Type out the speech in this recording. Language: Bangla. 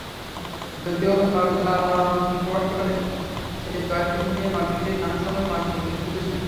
যদিও নর্দাম্পটনের সেই জয়টি নিয়ে অনেকেই নানা সময়ে অনেক প্রশ্ন তুলেছেন।